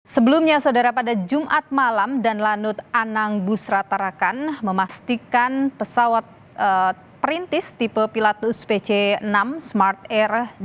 sebelumnya saudara pada jumat malam dan lanut anang bus ratarakan memastikan pesawat perintis tipe pilatus pc enam smart air